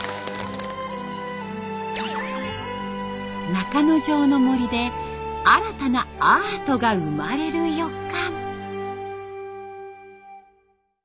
中之条の森で新たなアートが生まれる予感。